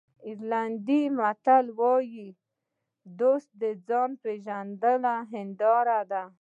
آیرلېنډي متل وایي دوست د ځان پېژندلو هنداره ده.